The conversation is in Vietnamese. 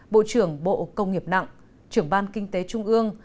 bộ trưởng bộ công nghiệp nặng trưởng ban kinh tế trung ương